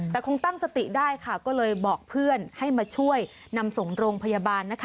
แต่คงตั้งสติได้ค่ะก็เลยบอกเพื่อนให้มาช่วยนำส่งโรงพยาบาลนะคะ